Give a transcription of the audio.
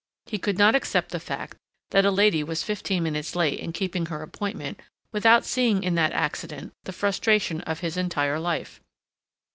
He could not accept the fact that a lady was fifteen minutes late in keeping her appointment without seeing in that accident the frustration of his entire life.